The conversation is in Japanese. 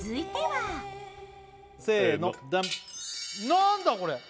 何だこれ？